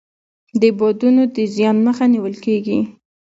د بادونو د زیان مخه نیول کیږي.